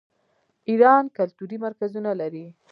ایران کلتوري مرکزونه لري.